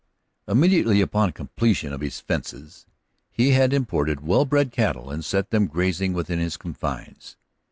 Immediately upon completion of his fences he had imported well bred cattle and set them grazing within his confines.